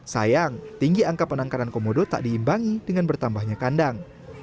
sayang tinggi angka penangkaran komodo tak diimbangi dengan bertambahnya kandang